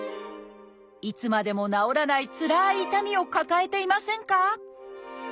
いつまでも治らないつらい痛みを抱えていませんか？